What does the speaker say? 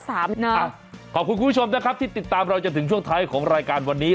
ขอบคุณคุณผู้ชมนะครับที่ติดตามเราจนถึงช่วงท้ายของรายการวันนี้